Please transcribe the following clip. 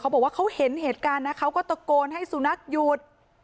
บอกว่าเขาเห็นเหตุการณ์นะเขาก็ตะโกนให้สุนัขหยุด